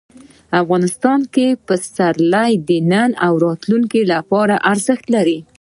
افغانستان کې پسرلی د نن او راتلونکي لپاره ارزښت لري.